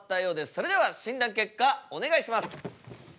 それでは診断結果お願いします。